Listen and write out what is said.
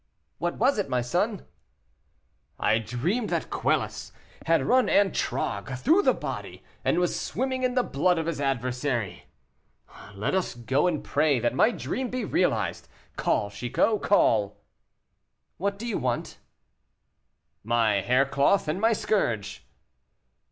"What was it, my son?" "I dreamed that Quelus had run Antragues through the body, and was swimming in the blood of his adversary. Let us go and pray that my dream may be realized. Call, Chicot, call." "What do you want?" "My hair cloth and my scourge."